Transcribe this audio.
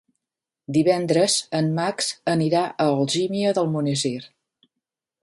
Divendres en Max anirà a Algímia d'Almonesir.